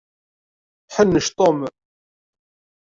Ḥennec Tom.